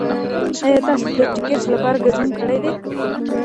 ایا تاسو د ټکټ لپاره ګډون کړی دی؟